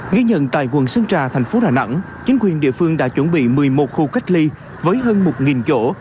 ghi nhận tại quận sơn trà tp hcm chính quyền địa phương đã chuẩn bị một mươi một khu cách ly với hơn một chỗ